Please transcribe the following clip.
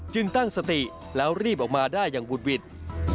จึงตั้งสติแล้วรีบออกมาได้อย่างวุ่นวิทย์